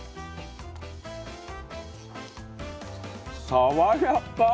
爽やか！